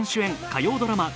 火曜ドラマ